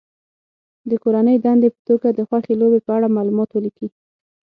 د کورنۍ دندې په توګه د خوښې لوبې په اړه معلومات ولیکي.